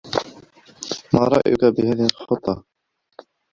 مارأيك بهذه الخطة؟